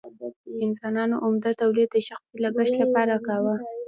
انسانانو عمده تولید د شخصي لګښت لپاره کاوه.